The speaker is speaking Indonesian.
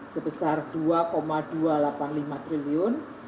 sebesar rp dua dua ratus delapan puluh lima triliun